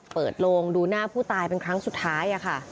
เปิดโรงดูหน้าผู้ตายเป็นครั้งสุดท้าย